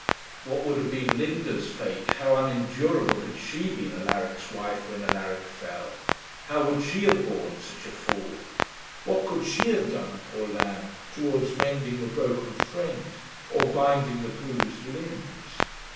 What would have been Linda's fate, how unendurable, had she been Alaric's wife, when Alaric fell? How would she have borne such a fall? What could she have done, poor lamb, towards mending the broken thread or binding the bruised limbs?